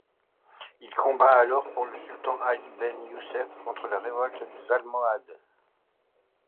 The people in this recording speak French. Il combat alors pour le sultan Ali ben Youssef contre la révolte des Almohades.